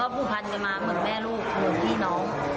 ผูกพันกันมาเหมือนแม่ลูกเหมือนพี่น้อง